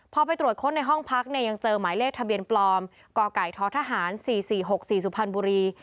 พอไปตรวจค้นในห้องพักเนี่ยยังเจอหมายเลขทะเบียนปลอมก่อไก่ท้อทหารสี่สี่หกสี่สุพันธุ์บุรี